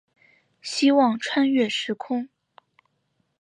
希望穿越时空